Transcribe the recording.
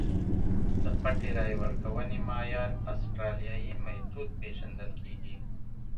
د پټې رایې ورکونې معیار اسټرالیايي میتود پېژندل کېږي.